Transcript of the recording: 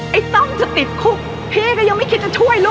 อายต้มจะติดคลุกพี่ก็ยังไม่คิดจะช่วยนะ